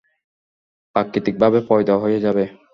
প্রাকৃতিকভাবে পয়দা হয়ে যাবে।